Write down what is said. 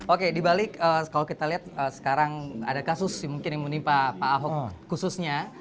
oke dibalik kalau kita lihat sekarang ada kasus mungkin yang menimpa pak ahok khususnya